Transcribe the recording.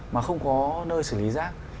mà không có nơi xử lý rác